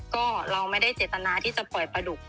ก็เราไม่ได้เจตนาที่จะปล่อยปลาดุก